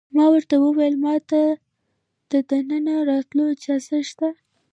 ما ورته وویل: ما ته د دننه راتلو اجازه شته؟